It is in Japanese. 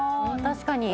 「確かに。